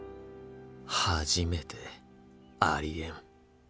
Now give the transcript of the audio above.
初めてありえん